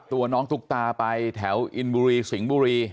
น้าสาวของน้าผู้ต้องหาเป็นยังไงไปดูนะครับ